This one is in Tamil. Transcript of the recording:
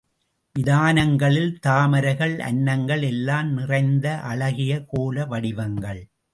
விதானங்களில் தாமரைகள், அன்னங்கள் எல்லாம் நிறைந்த அழகிய கோல வடிவங்கள்.